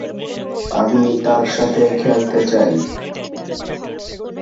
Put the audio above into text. বিদ্রোহীদের সাথে যোগ দেন মুজাফফর শাহের উজির সৈয়দ হুসেন।